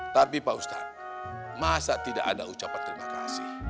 tapi pak ustadz masa tidak ada ucapan terima kasih